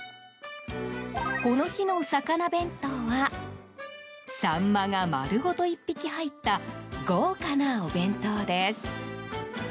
この日の魚弁当はサンマが丸ごと１匹入った豪華なお弁当です。